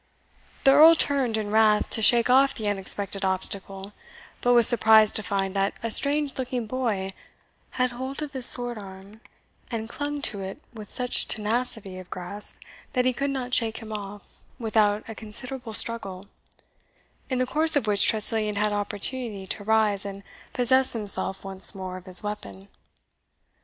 The Earl turned in wrath to shake off the unexpected obstacle, but was surprised to find that a strange looking boy had hold of his sword arm, and clung to it with such tenacity of grasp that he could not shake him of without a considerable struggle, in the course of which Tressilian had opportunity to rise and possess himself once more of his weapon.